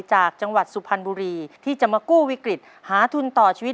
จากจังหวัดสุพรรณบุรีที่จะมากู้วิกฤตหาทุนต่อชีวิต